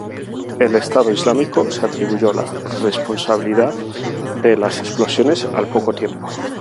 El Estado Islámico se atribuyó la responsabilidad de las explosiones al poco tiempo.